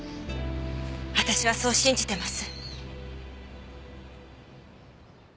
私はそう信じてます。